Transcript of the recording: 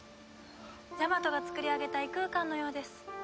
ジャマトが作り上げた異空間のようです。